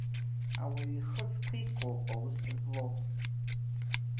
Ауаҩы ихы зқәикуа ауп аус злоу.